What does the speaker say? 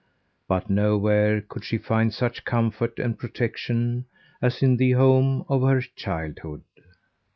But nowhere could she find such comfort and protection as in the home of her childhood.